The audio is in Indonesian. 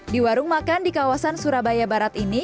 di warung makan di kawasan surabaya barat ini